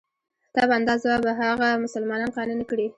طبعاً دا ځواب به هغه مسلمانان قانع نه کړي.